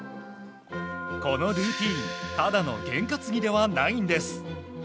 このルーティンただの験担ぎではないんです。